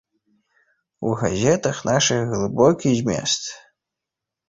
У газетах нашых глыбокі змест.